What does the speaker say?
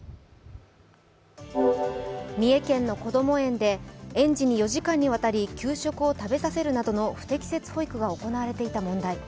三重県のこども園で園児に４時間にわたり給食を食べさせるなどの不適切保育が行われていた問題。